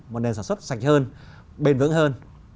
một nền sản xuất sạch hơn bền vững hơn